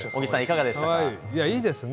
いいですね。